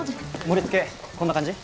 盛りつけこんな感じ？